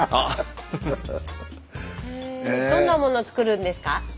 どんなもの作るんですか？